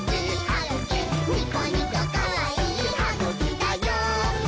ニコニコかわいいはぐきだよ！」